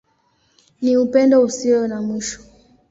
Ni Upendo Usio na Mwisho.